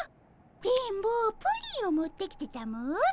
「電ボプリンを持ってきてたも」